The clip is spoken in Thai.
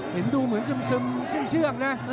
เห็นดูเหมือนซึมซึมซึ้งเชื่องนะ